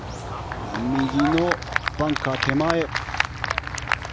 右のバンカー手前。